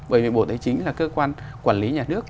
bởi vì bộ tài chính là cơ quan quản lý nhà nước